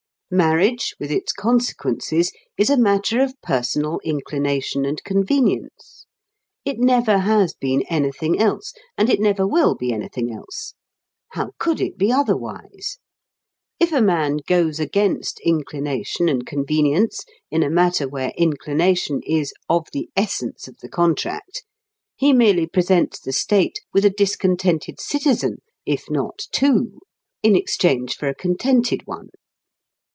Marriage, with its consequences, is a matter of personal inclination and convenience. It never has been anything else, and it never will be anything else. How could it be otherwise? If a man goes against inclination and convenience in a matter where inclination is "of the essence of the contract," he merely presents the state with a discontented citizen (if not two) in exchange for a contented one!